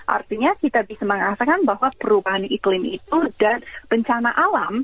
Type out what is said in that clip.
artinya kita bisa mengatakan bahwa perubahan iklim itu dan bencana alam